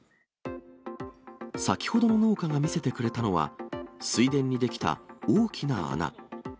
先ほどの農家が見せてくれたのは、水田に出来た大きな穴。